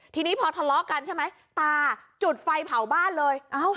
ทีนี้พอทะเลาะกันตาจุดไฟเขาบ้านเลย